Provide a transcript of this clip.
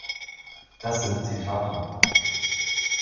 Das sind Zitate.